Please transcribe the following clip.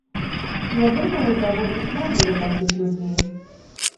Я думаю, даволі шмат было такіх людзей.